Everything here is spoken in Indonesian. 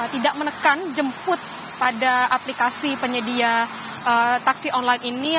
tidak menekan jemput pada aplikasi penyedia taksi online ini